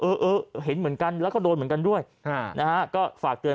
เออเออเห็นเหมือนกันแล้วก็โดนเหมือนกันด้วยนะฮะก็ฝากเตือน